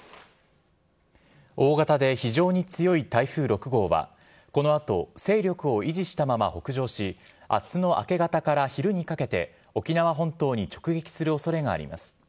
大型で非常に強い台風６号は、このあと勢力を維持したまま北上し、あすの明け方から昼にかけて、沖縄本島に直撃するおそれがあります。